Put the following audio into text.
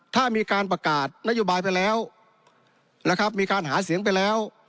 ถ้ามีการประกาศนโยบายไปแล้วนะครับมีการหาเสียงไปแล้ว